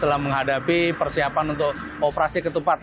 setelah menghadapi persiapan untuk operasi ketupat